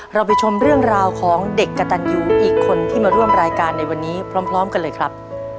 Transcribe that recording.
เราไปชมเรื่องราวของเด็กกระตันยูอีกคนที่มาร่วมรายการในวันนี้พร้อมกันเลยครับ